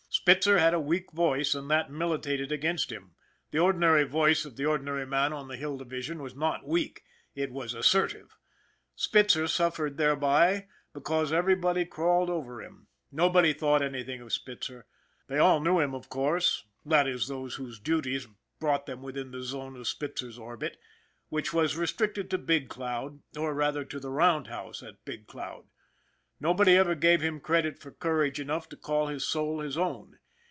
Spitzer had a weak voice and that militated against him. The ordinary voice of the ordinary man on the Hill Division was not weak it was assertive. Spitzer suffered thereby because every body crawled over him. Nobody thought anything of Spitzer. They all knew him, of course, that is, those whose duties brought them within the zone of Spitzer's orbit, which was restricted to Big Cloud or, rather, to the roundhouse at Big Cloud. Nobody ever gave him credit for courage enough to call his soul his own.